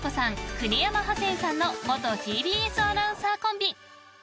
国山ハセンさんの元ＴＢＳアナウンサーコンビ。